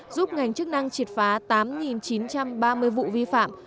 giúp ngành chức năng triệt phá tám chín trăm ba mươi vụ vi phạm